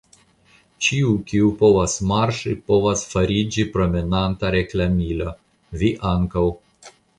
Ĉiu, kiu povas marŝi, povas fariĝi promenanta reklamilo, vi ankaŭ.